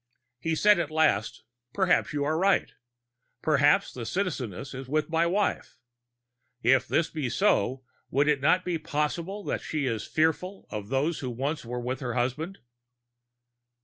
He said at last: "Perhaps you are right. Perhaps the Citizeness is with my wife. If this be so, would it not be possible that she is fearful of those who once were with her husband?"